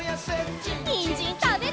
にんじんたべるよ！